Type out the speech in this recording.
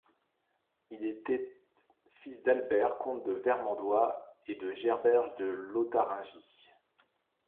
Il était fils d'Albert, comte de Vermandois, et de Gerberge de Lotharingie.